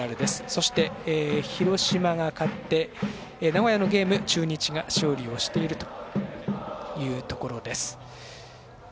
そして、広島が勝って名古屋のゲーム、中日が勝利をしているというところです。